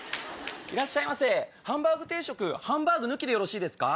いらっしゃいませハンバーグ定食ハンバーグ抜きでよろしいですか？